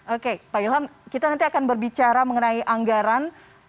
oke pak ilham kita nanti akan berbicara mengenai anggaran